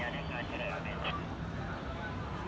อันที่สุดท้ายก็คือภาษาอันที่สุดท้าย